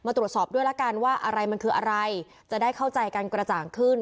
ตรวจสอบด้วยละกันว่าอะไรมันคืออะไรจะได้เข้าใจกันกระจ่างขึ้น